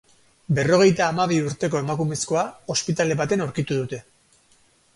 Berrogeita hamabi urteko emakumezkoa ospitale batean aurkitu dute.